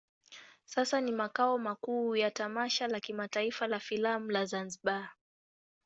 Sasa ni makao makuu ya tamasha la kimataifa la filamu la Zanzibar.